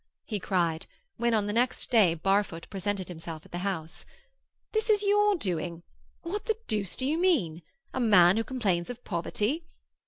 he cried, when, on the next day, Barfoot presented himself at the house. "This is your doing. What the deuce do you mean? A man who complains of poverty!